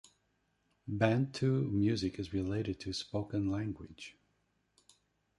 Bantu music is related to spoken language.